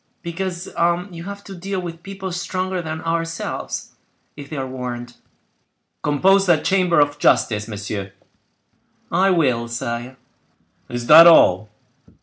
"Because you have to deal with people stronger than ourselves, if they are warned." "Compose that chamber of justice, monsieur." "I will, sire." "Is that all?"